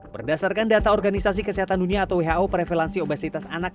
berdasarkan data organisasi kesehatan dunia atau who prevalansi obesitas anak